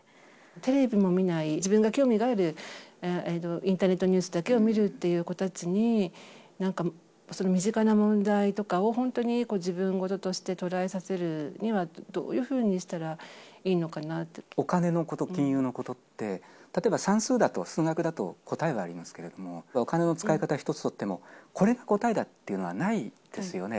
テレビも見ない、自分が興味があるインターネットニュースだけを見るっていう子たちに、なんか身近な問題とかを、本当に自分事として捉えさせるには、どういうふうにしたらいいのお金のこと、金融のことって、例えば算数だと、数学だと答えはありますけれども、お金の使い方一つとっても、これが答えだっていうのはないですよね。